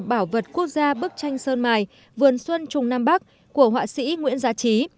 bảo vật quốc gia bức tranh sơn mài vườn xuân trung nam bắc của họa sĩ nguyễn gia trí